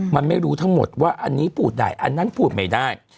มันไม่รู้ทั้งหมดว่าอันนี้พูดได้อันนั้นพูดไม่ได้